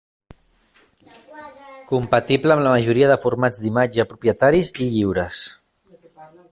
Compatible amb la majoria de formats d'imatge propietaris i lliures.